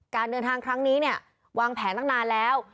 การเดินทางครั้งนี้เนี่ยวางแผนตั้งนานแล้ว